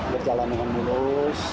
berjalan dengan mulus